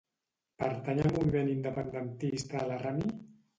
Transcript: Pertany al moviment independentista la Rami?